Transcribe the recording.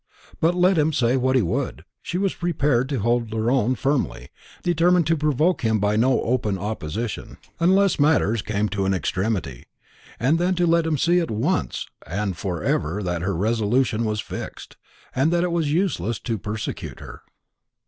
But let him say what he would, she was prepared to hold her own firmly, determined to provoke him by no open opposition, unless matters came to an extremity, and then to let him see at once and for ever that her resolution was fixed, and that it was useless to persecute her.